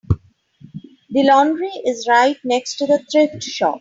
The laundry is right next to the thrift shop.